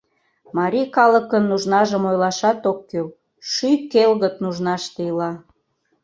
Марий калыкын нужнажым ойлашат ок кӱл, шӱй келгыт нужнаште ила.